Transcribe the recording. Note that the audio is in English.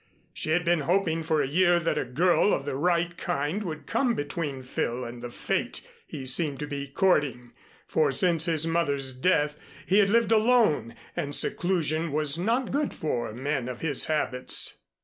She had been hoping for a year that a girl of the right kind would come between Phil and the fate he seemed to be courting, for since his mother's death he had lived alone, and seclusion was not good for men of his habits.